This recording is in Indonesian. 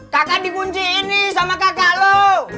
kakak dikunciin nih sama kakak lo